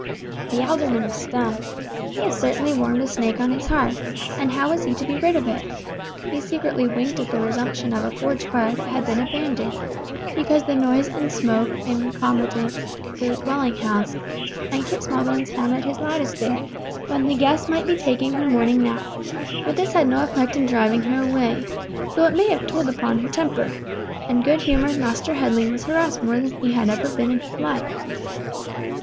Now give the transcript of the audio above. The alderman was stung. He certainly had warmed a snake on his hearth, and how was he to be rid of it? He secretly winked at the resumption of a forge fire that had been abandoned, because the noise and smoke incommoded the dwelling house, and Kit Smallbones hammered his loudest there, when the guest might be taking her morning nap; but this had no effect in driving her away, though it may have told upon her temper; and good humoured Master Headley was harassed more than he had ever been in his life.